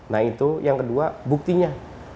nah itu yang kedua buktinya